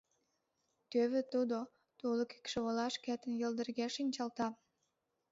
Тӧвӧ тудо, тулык икшывыла шкетын йылдырге шинчалта.